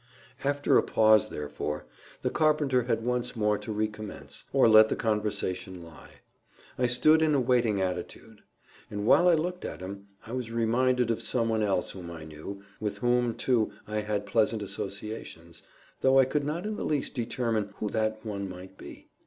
After a pause, therefore, the carpenter had once more to recommence, or let the conversation lie. I stood in a waiting attitude. And while I looked at him, I was reminded of some one else whom I knew—with whom, too, I had pleasant associations—though I could not in the least determine who that one might be.